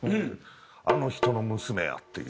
「あの人の娘や」っていう。